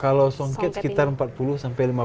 kalau songket sekitar empat puluh lima puluh pengrajin